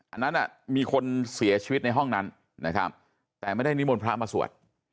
อันนั้นมีคนเสียชีวิตในห้องนั้นนะครับแต่ไม่ได้นิมนต์พระมาสวด